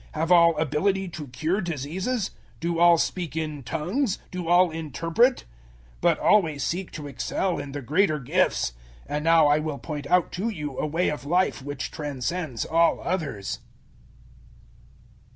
Have all ability to cure diseases? Do all speak in `tongues'? Do all interpret? 012:031 But always seek to excel in the greater gifts. And now I will point out to you a way of life which transcends all others.